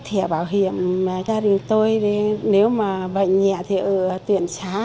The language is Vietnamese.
thẻ bảo hiểm gia đình tôi nếu mà bệnh nhẹ thì ở tuyển xá